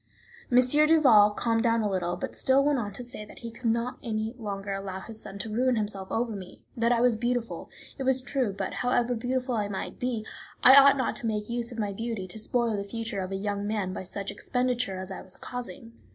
M. Duval calmed down a little, but still went on to say that he could not any longer allow his son to ruin himself over me; that I was beautiful, it was true, but, however beautiful I might be, I ought not to make use of my beauty to spoil the future of a young man by such expenditure as I was causing.